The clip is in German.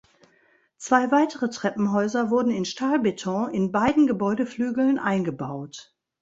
Zwei weitere Treppenhäuser wurden in Stahlbeton in beiden Gebäudeflügeln eingebaut.